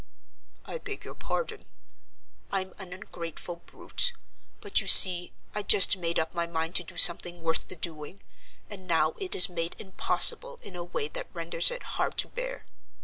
"I beg your pardon: I'm an ungrateful brute. But you see I'd just made up my mind to do something worth the doing, and now it is made impossible in a way that renders it hard to bear.